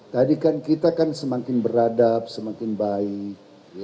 tadi kan kita kan semakin beradab semakin baik